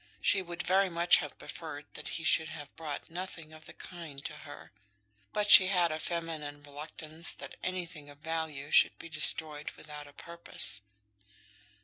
She would very much have preferred that he should have brought nothing of the kind to her. But she had a feminine reluctance that anything of value should be destroyed without a purpose.